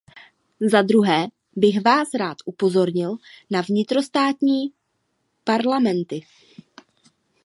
Za druhé bych vás rád upozornil na vnitrostátní parlamenty.